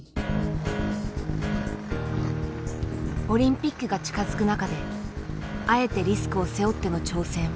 オリンピックが近づく中であえてリスクを背負っての挑戦。